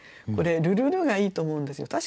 これ「るるる」がいいと思うんですよ。